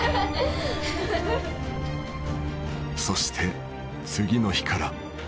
そして次の日から。